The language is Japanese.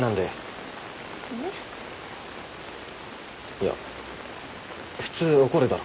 いや普通怒るだろ。